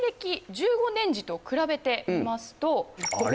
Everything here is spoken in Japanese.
１５年時と比べてみますとあれ？